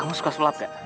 kamu suka sulap ga